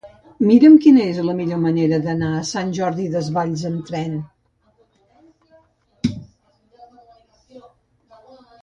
Mira'm quina és la millor manera d'anar a Sant Jordi Desvalls amb tren.